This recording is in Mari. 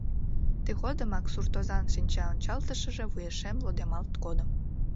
Тыгодымак суртозан шинчаончалтышыже вуешем лодемалт кодо.